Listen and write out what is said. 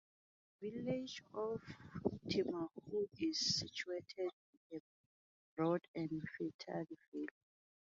The village of Timahoe is situated in a broad and fertile valley.